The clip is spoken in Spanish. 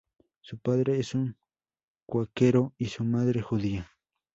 Su padre es un cuáquero y su madre judía.